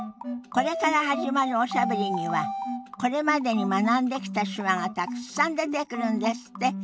これから始まるおしゃべりにはこれまでに学んできた手話がたくさん出てくるんですって。